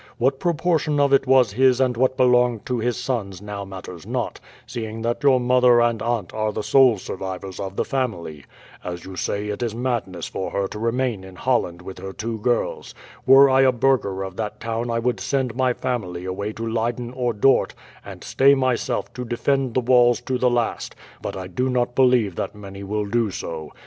What proportion of it was his and what belonged to his sons now matters not, seeing that your mother and aunt are the sole survivors of the family. As you say, it is madness for her to remain in Holland with her two girls. Were I a burgher of that town I would send my family away to Leyden or Dort and stay myself to defend the walls to the last, but I do not believe that many will do so.